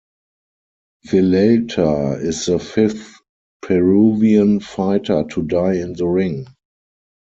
Villalta is the fifth Peruvian fighter to die in the ring.